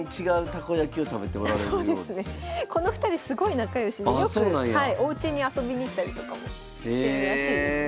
この２人すごい仲良しでよくおうちに遊びに行ったりとかもしてるらしいですね。